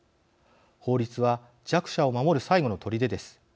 法律は弱者を守る最後のとりでです。